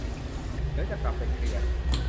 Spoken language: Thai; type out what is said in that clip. เดี๋ยวจะกลับไปเคลียร์